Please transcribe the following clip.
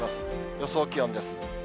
予想気温です。